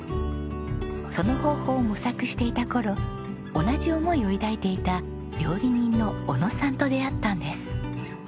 その方法を模索していた頃同じ思いを抱いていた料理人の小野さんと出会ったんです。